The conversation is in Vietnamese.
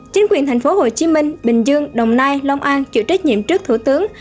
chính quyền thành phố hồ chí minh bình dương đồng nai long an chịu trách nhiệm trước thủ tướng